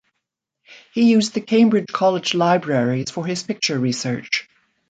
He used the Cambridge college libraries for his picture research.